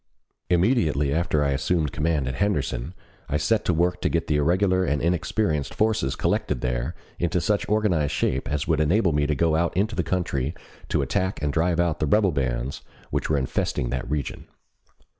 Immediately after I assumed command at Henderson I set to work to get the irregular and inexperienced forces collected there into such organized shape as would enable me to go out into the country to attack and drive out the rebel bands which were infesting that region.